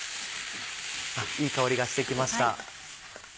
いい香りがして来ました。